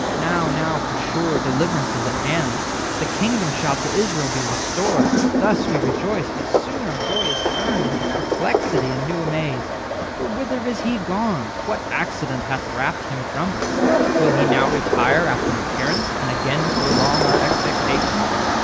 'Now, now, for sure, deliverance is at hand; The kingdom shall to Israel be restored:' Thus we rejoiced, but soon our joy is turned Into perplexity and new amaze. For whither is he gone? what accident Hath rapt him from us? will he now retire 40 After appearance, and again prolong Our expectation?